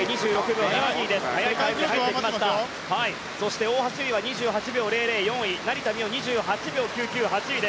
そして大橋悠依は２８秒００と４位成田実生は２８秒９９で８位。